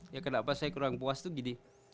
ya kenapa saya kurang puas itu gini